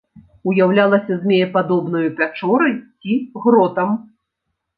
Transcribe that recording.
Уяўлялася змеепадобнаю пячорай ці гротам.